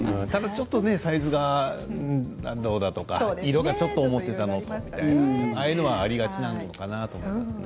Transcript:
ちょっとサイズがどうだとか色がちょっと思っていたものと違うとかああいうことはありがちなのかな